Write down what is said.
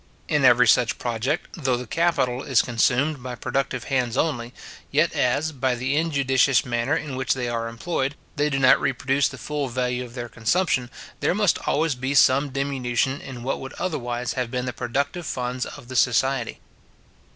In every such project, though the capital is consumed by productive hands only, yet as, by the injudicious manner in which they are employed, they do not reproduce the full value of their consumption, there must always be some diminution in what would otherwise have been the productive funds of the society.